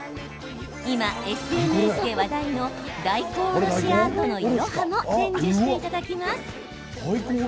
今、ＳＮＳで話題の大根おろしアートのいろはも伝授していただきます。